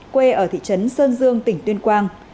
quê ở thị trấn sơn dương tỉnh tuyên quang